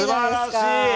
すばらしい！